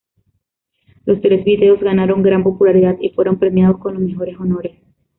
Los tres videos ganaron gran popularidad, y fueron premiados con los mejores honores.